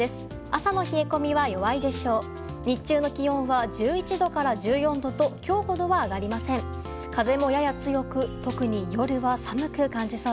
朝の冷え込みは弱いでしょう。